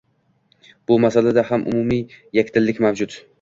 Bu masalada ham umumiy yakdillik mavjud